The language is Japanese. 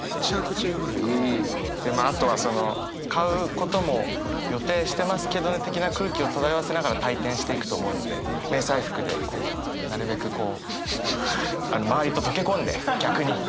あとは買うことも予定してますけどね的な空気を漂わせながら退店していくと思うので迷彩服でこうなるべくこう周りと溶け込んで逆に。